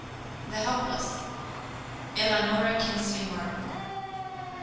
THE HELPLESS. ELANORA KINSLEY MARBLE.